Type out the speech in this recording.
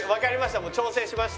もう調整しました。